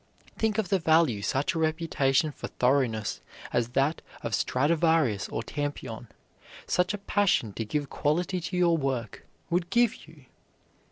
Think of the value such a reputation for thoroughness as that of Stradivarius or Tampion, such a passion to give quality to your work, would give you!